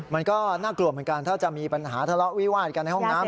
มันก็น่ากลัวเหมือนกันถ้าจะมีปัญหาทะเลาะวิวาดกันในห้องน้ำ